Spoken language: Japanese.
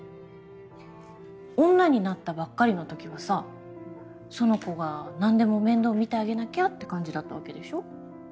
女になったばっかりのときはさ苑子が何でも面倒見てあげなきゃって感じだったわけでしょ？